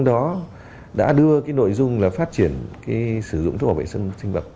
đã đưa nội dung phát triển sử dụng thuốc bảo vệ sinh vật